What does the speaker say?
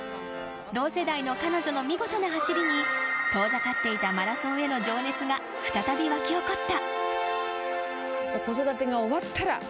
同世代の彼女の見事な走りに遠ざかっていたマラソンへの情熱が再びわき起こった。